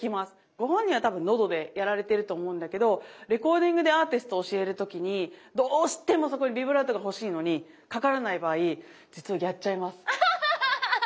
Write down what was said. ご本人は多分喉でやられてると思うんだけどレコーディングでアーティスト教える時にどうしてもそこにビブラートが欲しいのにかからない場合実はやっちゃいます。